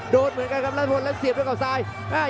โดนเหมือนกันครับและเป็นสูงนิย้าย